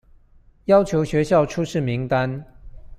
要求學校出示名單